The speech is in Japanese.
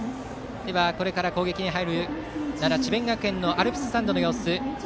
これから攻撃に入る奈良・智弁学園のアルプススタンドの様子